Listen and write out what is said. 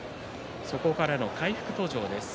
そこからの回復途上です。